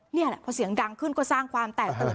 นี่แหละพอเสียงดังขึ้นก็สร้างความแตกตื่น